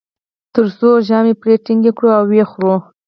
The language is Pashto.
تر څو ژامې پرې ټینګې کړو او و یې خورو.